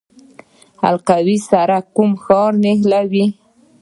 حلقوي سړک کوم ښارونه نښلوي؟